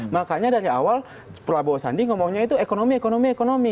makanya dari awal prabowo sandi ngomongnya itu ekonomi ekonomi ekonomi